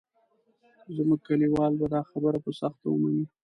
زموږ کلیوال به دا خبره په سخته ومني.